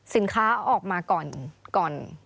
สินค้าออกมาก่อน